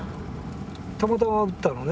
たまたま打ったのね。